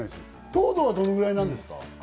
糖度はどれぐらいですか？